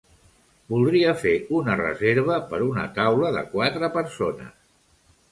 Voldria fer una reserva per una taula de quatre persones.